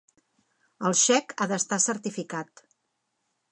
El xec ha d'estar certificat.